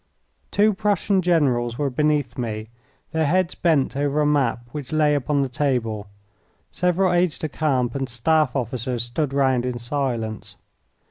Two Prussian generals were beneath me, their heads bent over a map which lay upon the table. Several aides de camp and staff officers stood round in silence.